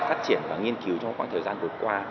phát triển và nghiên cứu trong khoảng thời gian vừa qua